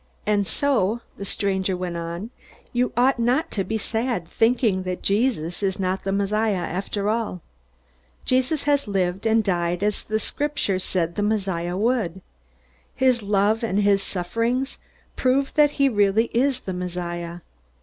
"And so," the stranger went on, "you ought not to be sad, thinking that Jesus is not the Messiah after all. Jesus has lived and died as the Scriptures said the Messiah would. His love and his sufferings prove that he really is the Messiah.